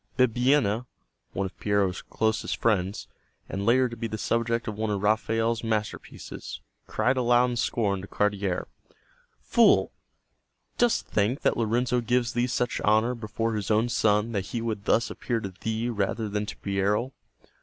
Bibbiena, one of Piero's closest friends, and later to be the subject of one of Raphael's masterpieces, cried aloud in scorn to Cardiere: "Fool! Dost think that Lorenzo gives thee such honor before his own son that he would thus appear to thee rather than to Piero?"